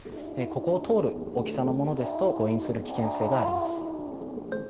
ここを通る大きさのものですと誤飲する危険性があります。